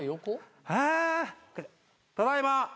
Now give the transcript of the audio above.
あただいま。